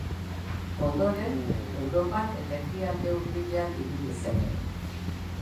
Ondoren, Europan eta Ekialde Hurbilean ibili zen.